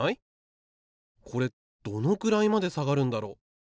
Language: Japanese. これどのくらいまで下がるんだろう？